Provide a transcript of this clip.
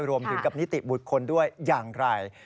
รวมถึงกับนิติบุคคลด้วยอย่างไร